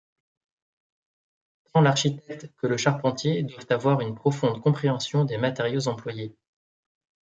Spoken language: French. Tant l'architecte que le charpentier doivent avoir une profonde compréhension des matériaux employés.